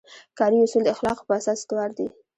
کاري اصول د اخلاقو په اساس استوار دي.